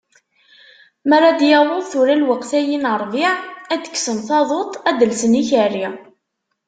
Mi ara d-yaweḍ tura lweqt-ayi n rrbiɛ, ad d-kksen taḍuṭ, ad d-llsen ikerri.